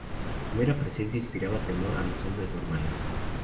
Su mera presencia inspiraba temor a los hombres normales.